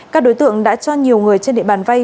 các đối tượng đã cho nhiều người trên địa bàn vay